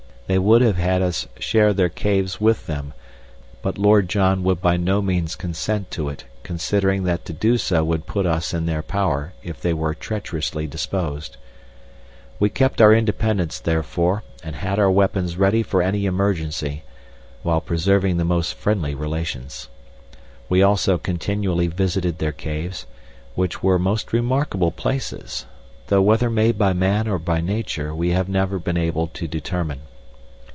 They would have had us share their caves with them, but Lord John would by no means consent to it considering that to do so would put us in their power if they were treacherously disposed. We kept our independence, therefore, and had our weapons ready for any emergency, while preserving the most friendly relations. We also continually visited their caves, which were most remarkable places, though whether made by man or by Nature we have never been able to determine.